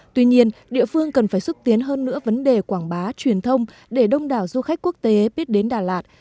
tuy nhiên địa phương cần phải xúc tiến hơn nữa vấn đề quảng bá truyền thông để đông đảo du khách quốc tế biết đến đà lạt